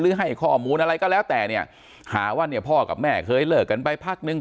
ให้ข้อมูลอะไรก็แล้วแต่เนี่ยหาว่าเนี่ยพ่อกับแม่เคยเลิกกันไปพักนึง